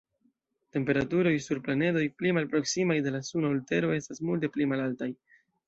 Temperaturoj sur planedoj pli malproksimaj de la Suno ol Tero estas multe pli malaltaj.